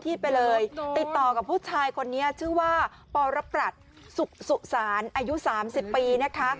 ไปเลยติดต่อกับผู้ชายคนนี้ชื่อว่าปรปรัสสุสานอายุ๓๐ปีนะคะ